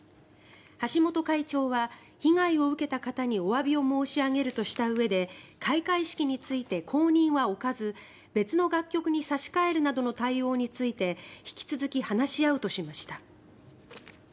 橋本会長は被害を受けた方におわびを申し上げるとしたうえで開会式について後任は置かず別の楽曲に差し替えるなどの対応について引き続き話し合うとしました。